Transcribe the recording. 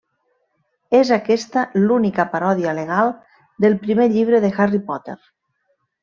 És aquesta l'única paròdia legal del primer llibre de Harry Potter.